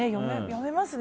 読めますね。